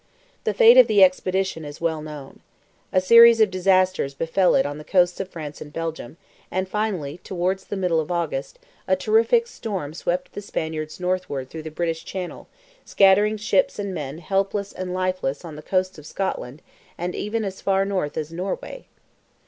The fate of the expedition is well known. A series of disasters befell it on the coasts of France and Belgium, and finally, towards the middle of August, a terrific storm swept the Spaniards northward through the British channel, scattering ships and men helpless and lifeless on the coasts of Scotland, and even as far north as Norway.